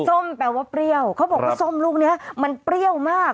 แปลว่าเปรี้ยวเขาบอกว่าส้มลูกนี้มันเปรี้ยวมาก